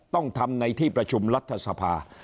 ต้องทำในที่ประชุมรัฐสภา